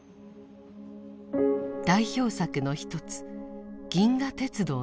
代表作の一つ「銀河鉄道の夜」。